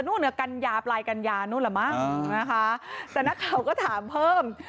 เราก็ถามเพิ่ม